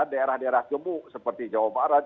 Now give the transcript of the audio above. daerah daerah gemuk seperti jawa barat